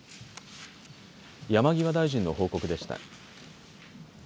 山際大臣の報告でした。